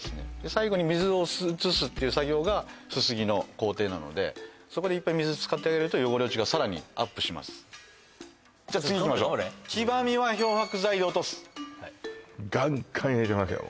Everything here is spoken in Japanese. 最後に水を移すっていう作業がすすぎの工程なのでそこでいっぱい水使ってあげると汚れ落ちがさらにアップしますじゃあ次いきましょうガンガン入れてますよ